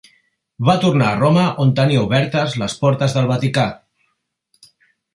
Va tornar a Roma on tenia obertes les portes del Vaticà.